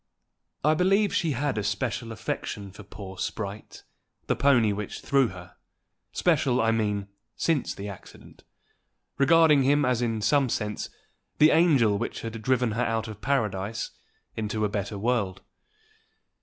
I believe she had a special affection for poor Sprite, the pony which threw her, special, I mean, since the accident, regarding him as in some sense the angel which had driven her out of paradise into a better world.